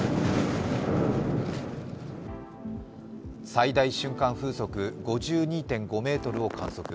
最大瞬間風速５２．５ｍを観測。